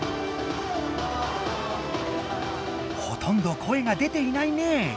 ほとんど声が出ていないね。